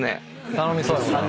頼みそうやもんな。